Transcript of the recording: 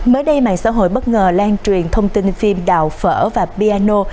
mới đây mạng xã hội bất ngờ lan truyền thông tin phim đào phở và piano